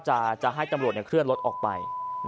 จะให้ตำรวจเคลื่อนรถออกไป